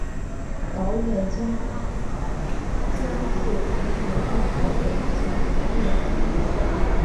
导演兼监制仅任导演仅任监制